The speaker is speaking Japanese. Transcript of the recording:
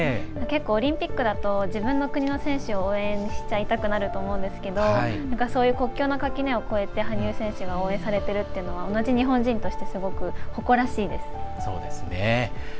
結構オリンピックだと自分の国の選手を応援しちゃいたくなると思うんですけどそういう国境の垣根を越えて羽生選手が応援されてるというのは同じ日本人としてすごく誇らしいです。